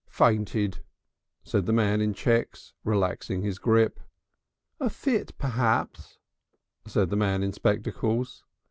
"Fainted!" said the man in checks, relaxing his grip. "A fit, perhaps," said the man in spectacles.